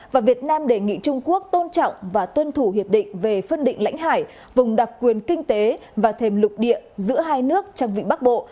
và việt nam đề nghị trung quốc tôn trọng và tuân thủ hiệp định về phân định lãnh hải vùng đặc quyền kinh tế và thềm lục địa giữa hai nước trong vịnh bắc bộ